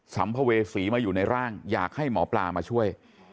สัมภเวษีมาอยู่ในร่างอยากให้หมอปลามาช่วย